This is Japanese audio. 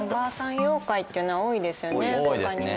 妖怪っていうのは多いですよね